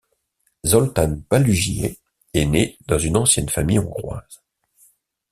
Zoltán Palugyay est né dans une ancienne famille hongroise.